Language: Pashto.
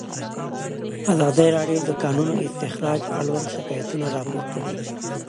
ازادي راډیو د د کانونو استخراج اړوند شکایتونه راپور کړي.